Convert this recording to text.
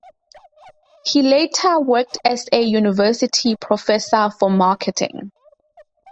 He later worked as a University professor for Marketing.